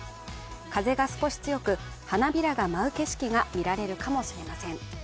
風が少し強く、花びらが舞う景色が見られるかもしれません。